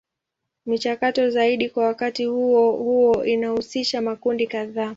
Michakato zaidi kwa wakati huo huo inahusisha makundi kadhaa.